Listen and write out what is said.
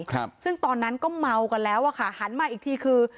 ครับซึ่งตอนนั้นก็เมากันแล้วอ่ะค่ะหันมาอีกทีคือ